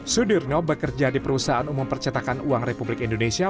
sudirno bekerja di perusahaan umum percetakan uang republik indonesia